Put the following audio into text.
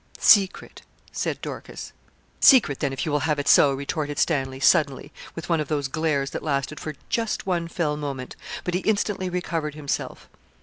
'Secret,' said Dorcas. 'Secret, then, if you will have it so,' retorted Stanley, suddenly, with one of those glares that lasted for just one fell moment; but he instantly recovered himself.